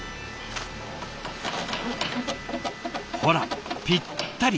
ほらぴったり！